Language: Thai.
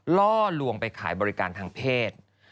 ล่อลวงไปขายบริการทางเพศ